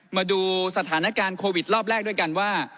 มาดูสถานการณ์โควิดรอบแรกด้วยกันว่า